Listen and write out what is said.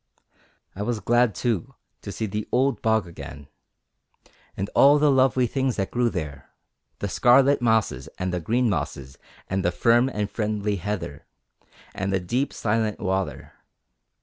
I was glad, too, to see the old bog again, and all the lovely things that grew there the scarlet mosses and the green mosses and the firm and friendly heather, and the deep silent water.